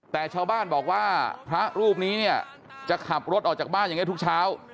แต่ชาวบ้านบอกว่าพระรูปนี้เนี่ยจะขับรถออกจากบ้านอย่างนี้ทุกเช้า